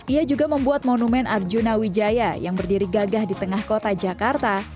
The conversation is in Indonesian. ia juga membuat monumen arjuna wijaya yang berdiri gagah di tengah kota jakarta